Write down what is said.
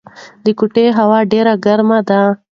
د کوټې هوا ډېره ګرمه ده.